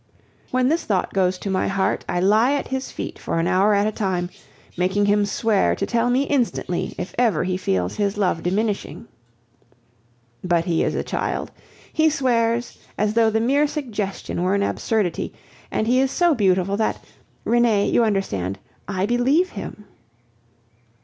When this thought goes to my heart, I lie at his feet for an hour at a time, making him swear to tell me instantly if ever he feels his love diminishing. But he is a child. He swears, as though the mere suggestion were an absurdity, and he is so beautiful that Renee, you understand I believe him.